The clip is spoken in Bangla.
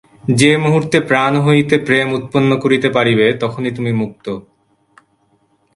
যে মুহূর্তে প্রাণ হইতে প্রেম উৎপন্ন করিতে পারিবে, তখনই তুমি মুক্ত।